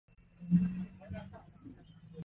wanahitaji viongozi wapya kama anavyoeleza hapa labre